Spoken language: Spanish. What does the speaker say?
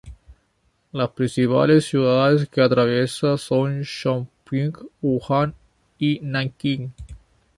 Las principales ciudades que atraviesa son Chongqing, Wuhan y Nankín.